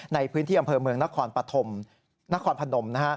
ในพื้นที่อำเภอเมืองนครปฐมนครพนม